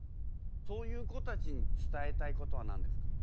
そういう子たちに伝えたいことは何ですか？